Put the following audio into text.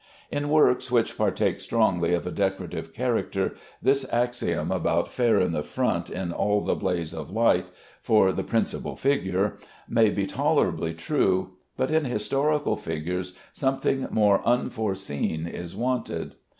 In works which partake strongly of a decorative character this axiom about "Fair in the front in all the blaze of light" for the principal figure may be tolerably true, but in historical pictures something more unforeseen is wanted.